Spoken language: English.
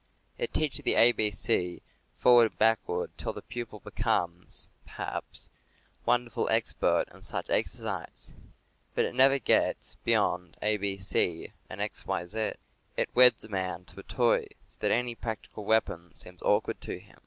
It teaches the ABC forward and backward till the pupil becomes, perhaps, wonderfully expert in such exercise; but it never gets beyond ABC and Z Y X. It weds a man to a toy, so that any practical weapon seems awkward to him.